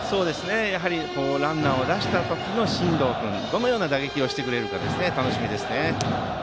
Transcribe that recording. やはりランナーを出した時の真藤君どのような打撃をしてくれるか楽しみですね。